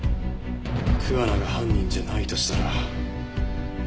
桑名が犯人じゃないとしたら一体誰が？